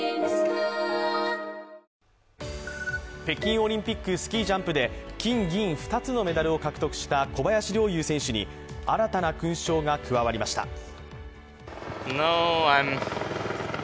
北京オリンピック、スキージャンプで金・銀２つのメダルを獲得した小林陵侑選手に新たな勲章が加わりました。